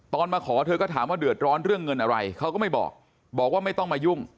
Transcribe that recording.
มาขอเธอก็ถามว่าเดือดร้อนเรื่องเงินอะไรเขาก็ไม่บอกบอกว่าไม่ต้องมายุ่ง